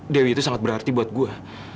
dewi itu sangat berarti buat gue